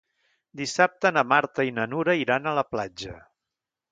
Dissabte na Marta i na Nura iran a la platja.